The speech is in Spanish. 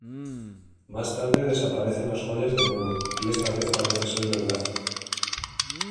Más tarde desaparecen las joyas de nuevo, y esta vez parece ser verdad.